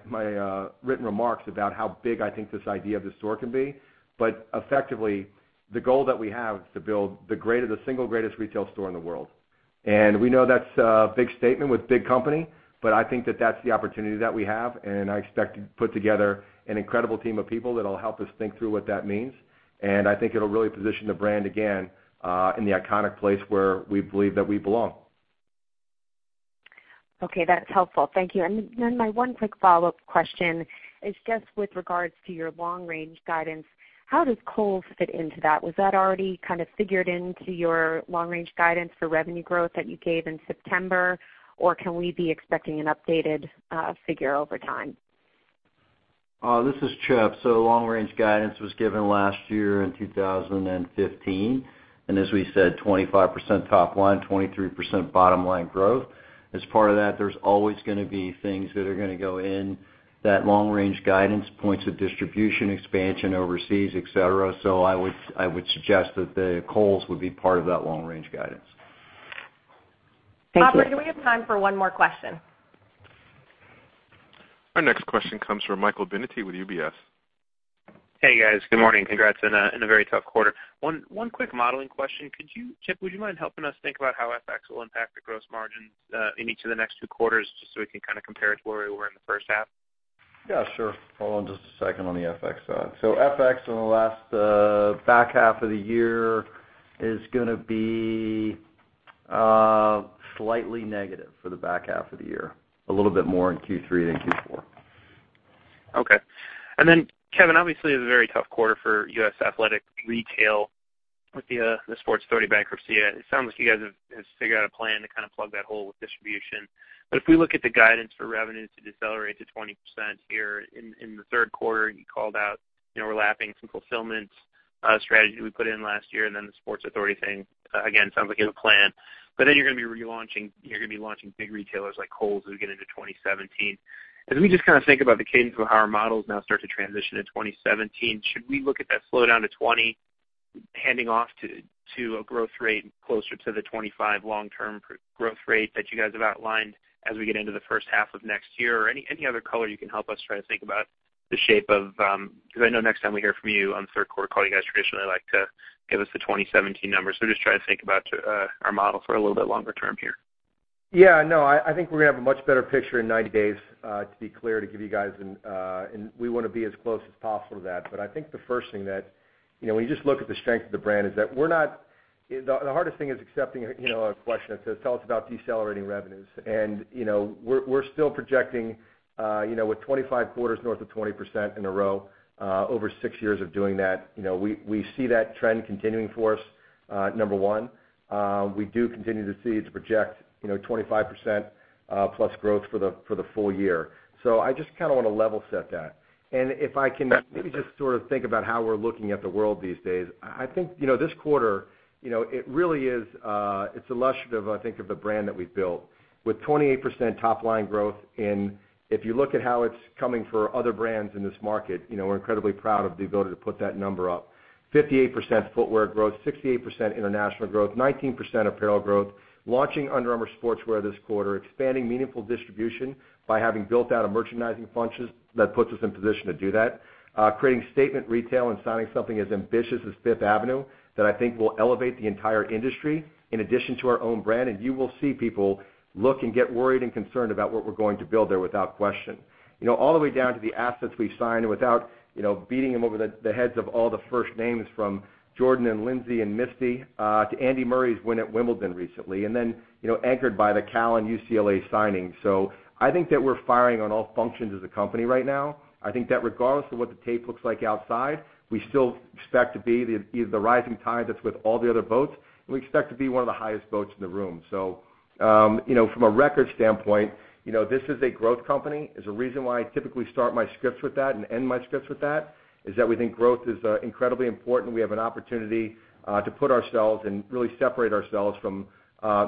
written remarks about how big I think this idea of the store can be. Effectively, the goal that we have is to build the single greatest retail store in the world. We know that's a big statement with big company, I think that that's the opportunity that we have, and I expect to put together an incredible team of people that'll help us think through what that means. I think it'll really position the brand again, in the iconic place where we believe that we belong. Okay. That's helpful. Thank you. My one quick follow-up question is just with regards to your long range guidance, how does Kohl's fit into that? Was that already kind of figured into your long range guidance for revenue growth that you gave in September? Can we be expecting an updated figure over time? This is Chip. Long range guidance was given last year in 2015. As we said, 25% top line, 23% bottom-line growth. As part of that, there's always going to be things that are going to go in that long range guidance, points of distribution, expansion overseas, et cetera. I would suggest that the Kohl's would be part of that long range guidance. Thank you. Operator, do we have time for one more question? Our next question comes from Michael Binetti with UBS. Hey, guys. Good morning. Congrats in a very tough quarter. One quick modeling question. Could you, Chip, would you mind helping us think about how FX will impact the gross margin in each of the next two quarters, just so we can kind of compare it to where we were in the first half? Yeah, sure. Hold on just a second on the FX side. FX in the last back half of the year is going to be slightly negative for the back half of the year. A little bit more in Q3 than Q4. Okay. Kevin, obviously, it was a very tough quarter for U.S. athletic retail with The Sports Authority bankruptcy. It sounds like you guys have figured out a plan to kind of plug that hole with distribution. If we look at the guidance for revenue to decelerate to 20% here in the third quarter, you called out overlapping some fulfillment strategy we put in last year, and then The Sports Authority thing. Again, sounds like you have a plan. You're going to be relaunching big retailers like Kohl's as we get into 2017. As we just kind of think about the cadence of how our models now start to transition to 2017, should we look at that slowdown to 20% handing off to a growth rate closer to the 25% long-term growth rate that you guys have outlined as we get into the first half of next year? Any other color you can help us try to think about the shape of Because I know next time we hear from you on the third quarter call, you guys traditionally like to give us the 2017 numbers. Just trying to think about our model for a little bit longer term here. Yeah, no, I think we're going to have a much better picture in 90 days, to be clear, to give you guys, and we want to be as close as possible to that. I think the first thing that, when you just look at the strength of the brand, is that the hardest thing is accepting a question that says, "Tell us about decelerating revenues." We're still projecting with 25 quarters north of 20% in a row, over six years of doing that. We see that trend continuing for us Number 1, we do continue to see, to project 25% plus growth for the full year. I just want to level set that. If I can maybe just sort of think about how we're looking at the world these days. I think, this quarter, it really is illustrative, I think, of the brand that we've built. With 28% top-line growth, and if you look at how it's coming for other brands in this market, we're incredibly proud of the ability to put that number up. 58% footwear growth, 68% international growth, 19% apparel growth, launching Under Armour Sportswear this quarter, expanding meaningful distribution by having built out a merchandising function that puts us in position to do that, creating statement retail and signing something as ambitious as Fifth Avenue that I think will elevate the entire industry in addition to our own brand. You will see people look and get worried and concerned about what we're going to build there, without question. All the way down to the assets we've signed and without beating them over the heads of all the first names, from Jordan and Lindsey and Misty, to Andy Murray's win at Wimbledon recently, and then anchored by the Cal and UCLA signings. I think that we're firing on all functions as a company right now. I think that regardless of what the tape looks like outside, we still expect to be the rising tide that's with all the other boats, and we expect to be one of the highest boats in the room. From a record standpoint, this is a growth company. There's a reason why I typically start my scripts with that and end my scripts with that, is that we think growth is incredibly important. We have an opportunity to put ourselves and really separate ourselves from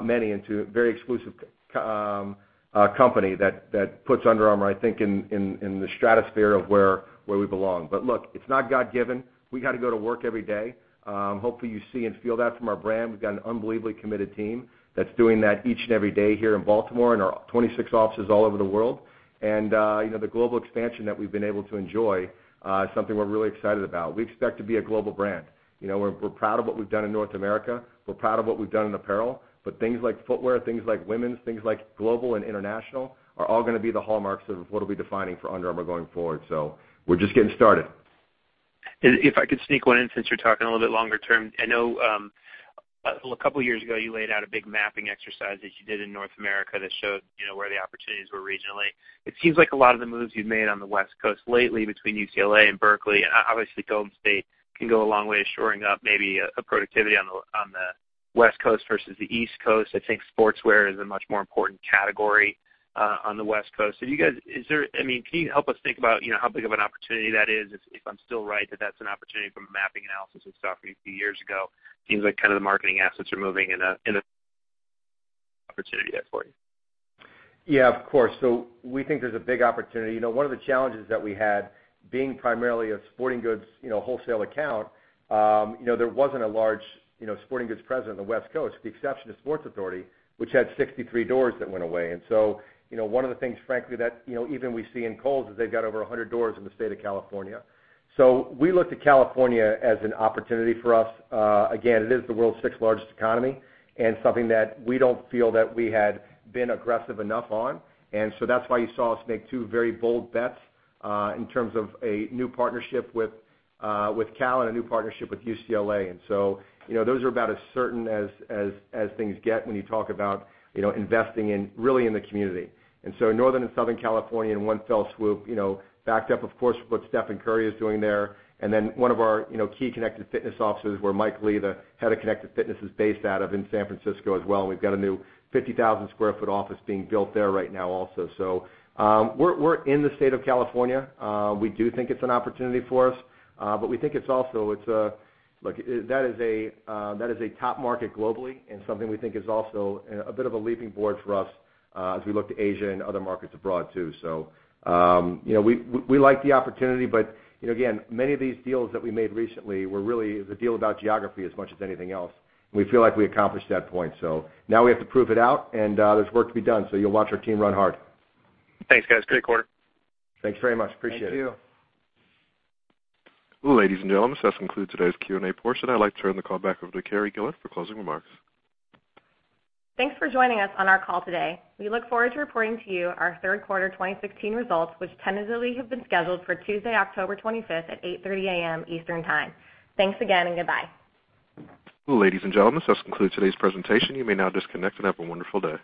many into a very exclusive company that puts Under Armour, I think, in the stratosphere of where we belong. Look, it's not God-given. We got to go to work every day. Hopefully, you see and feel that from our brand. We've got an unbelievably committed team that's doing that each and every day here in Baltimore and our 26 offices all over the world. The global expansion that we've been able to enjoy is something we're really excited about. We expect to be a global brand. We're proud of what we've done in North America. We're proud of what we've done in apparel. Things like footwear, things like women's, things like global and international are all going to be the hallmarks of what will be defining for Under Armour going forward. We're just getting started. If I could sneak one in, since you're talking a little bit longer term. I know, a couple of years ago, you laid out a big mapping exercise that you did in North America that showed where the opportunities were regionally. It seems like a lot of the moves you've made on the West Coast lately between UCLA and Berkeley, and obviously Golden State can go a long way to shoring up maybe a productivity on the West Coast versus the East Coast. I think sportswear is a much more important category on the West Coast. Can you help us think about how big of an opportunity that is, if I'm still right that that's an opportunity from a mapping analysis and stuff a few years ago? It seems like the marketing assets are moving in an opportunity there for you. Yeah, of course. We think there's a big opportunity. One of the challenges that we had, being primarily a sporting goods wholesale account, there wasn't a large sporting goods presence on the West Coast. With the exception of Sports Authority, which had 63 doors that went away. One of the things, frankly, that even we see in Kohl's is they've got over 100 doors in the state of California. We looked at California as an opportunity for us. Again, it is the world's sixth-largest economy and something that we don't feel that we had been aggressive enough on. That's why you saw us make two very bold bets in terms of a new partnership with Cal and a new partnership with UCLA. Those are about as certain as things get when you talk about investing really in the community. Northern and Southern California in one fell swoop, backed up, of course, with what Stephen Curry is doing there. One of our key Connected Fitness offices where Mike Lee, the head of Connected Fitness, is based out of in San Francisco as well, and we've got a new 50,000 square foot office being built there right now also. We're in the state of California. We do think it's an opportunity for us. We think it's also a top market globally and something we think is also a bit of a leaping board for us as we look to Asia and other markets abroad, too. We like the opportunity, but again, many of these deals that we made recently were really the deal about geography as much as anything else. We feel like we accomplished that point. Now we have to prove it out, and there's work to be done. You'll watch our team run hard. Thanks, guys. Good quarter. Thanks very much. Appreciate it. Thank you. Ladies and gentlemen, this concludes today's Q&A portion. I'd like to turn the call back over to Carrie Gillard for closing remarks. Thanks for joining us on our call today. We look forward to reporting to you our third quarter 2016 results, which tentatively have been scheduled for Tuesday, October 25th at 8:30 A.M. Eastern Time. Thanks again, and goodbye. Ladies and gentlemen, this concludes today's presentation. You may now disconnect and have a wonderful day.